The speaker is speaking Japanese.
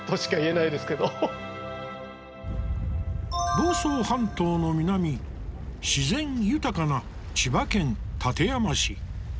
房総半島の南自然豊かな千葉県館山市。